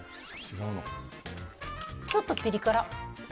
ちょっとピリ辛。